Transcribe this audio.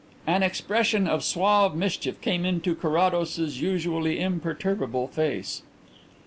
An expression of suave mischief came into Carrados's usually imperturbable face.